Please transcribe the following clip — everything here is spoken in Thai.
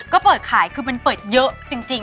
ก็เปิดขายคือมันเปิดเยอะจริง